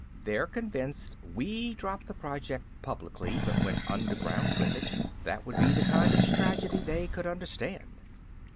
They're convinced we dropped the project publicly, but went underground with it. That would be the kind of strategy they could understand."